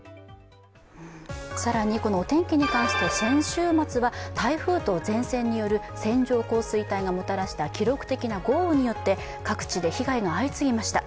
更にこのお天気に関して、先週末は台風と前線による線状降水帯がもたらした記録的な豪雨によって各地で被害が相次ぎました。